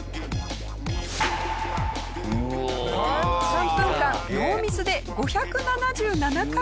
３分間ノーミスで５７７回跳びました。